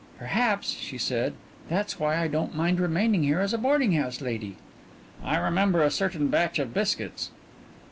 "Perhaps," she said, "that's why I don't mind remaining here as a boarding house lady." "I remember a certain batch of biscuits."